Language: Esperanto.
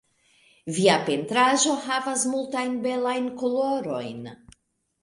Via pentraĵo havas multajn belajn kolorojn.